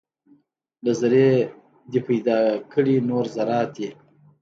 له ذرې دې پیدا کړي نور ذرات دي